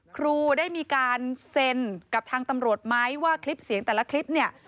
ครูได้มีการเซ็นกับทางตำรวจไหมว่าคลิปเสียงแต่ละคลิปเนี่ย